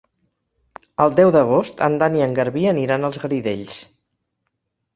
El deu d'agost en Dan i en Garbí aniran als Garidells.